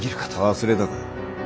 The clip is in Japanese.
忘れたか？